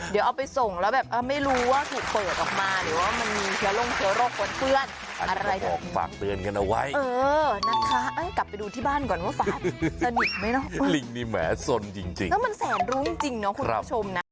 เดี๋ยวเอาไปส่งแล้วแบบ